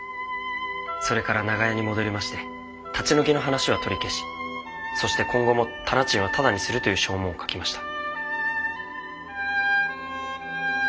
それから長屋に戻りまして立ち退きの話は取り消しそして今後も店賃はただにするという証文を書きました。